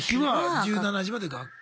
１７時まで学校。